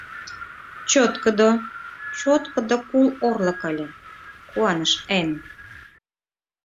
— Чоткыдо, чоткыдо кул орлык ыле, — куаныш Энн.